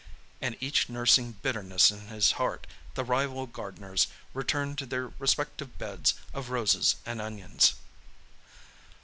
and each nursing bitterness in his heart, the rival gardeners returned to their respective beds of roses and onions.